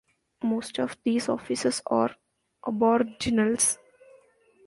Most of these officers are aboriginals.